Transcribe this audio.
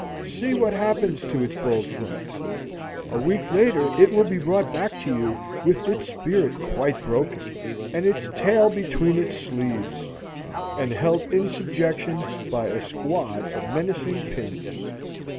See what happens to its bold front. A week later it will be brought back to you with its spirit quite broken, and its tail between its sleeves, and held in subjection by a squad of menacing pins.